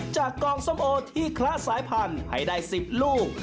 จากกองส้มโอที่คล้าสายพันธุ์ให้ได้สิบลูก